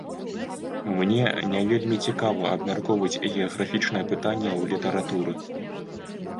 Мне не вельмі цікава абмяркоўваць геаграфічнае пытанне ў літаратуры.